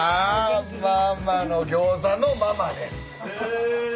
ママの餃子のママです。へ。